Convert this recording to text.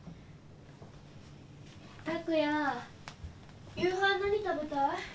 拓哉夕飯何食べたい？